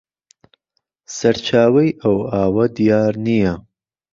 سەرچاوەی ئەو ئاوە دیار نییە